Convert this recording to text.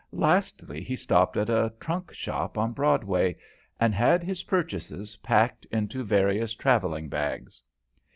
Lastly, he stopped at a trunk shop on Broadway, and had his purchases packed into various travelling bags.